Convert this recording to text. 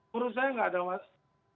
menurut saya tidak ada masalah